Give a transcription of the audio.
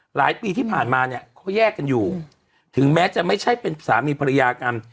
หลายปีที่ผ่านมาเนี่ยเขาแยกกันอยู่ถึงแม้จะไม่ใช่เป็นสามีภรรยากัน